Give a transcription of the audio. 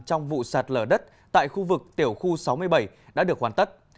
trong vụ sạt lở đất tại khu vực tiểu khu sáu mươi bảy đã được hoàn tất